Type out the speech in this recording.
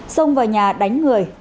sông vào nhà đánh người